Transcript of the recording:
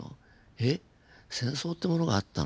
えっ戦争ってものがあったの？